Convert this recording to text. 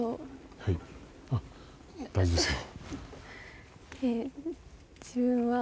はい大丈夫ですよ